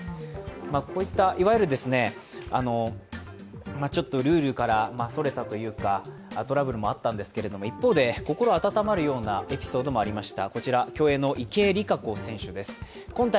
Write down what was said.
こういったいわゆるちょっとルールから逸れたというか、トラブルもあったんですけども、一方で心温まるようなエピソードもありました。